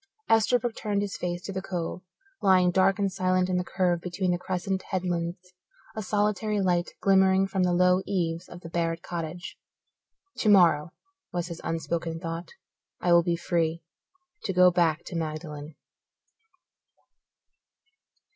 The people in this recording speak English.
Esterbrook turned his face to the Cove, lying dark and silent in the curve between the crescent headlands. A solitary light glimmered from the low eaves of the Barrett cottage. Tomorrow, was his unspoken thought, I will be free; to go back to Magdalen.